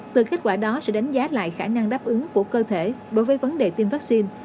từ kết quả đó sẽ đánh giá lại khả năng đáp ứng của cơ thể đối với vấn đề tiêm vaccine